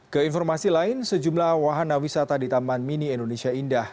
keinformasi lain sejumlah wahana wisata di taman mini indonesia indah